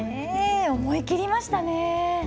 思い切りましたね。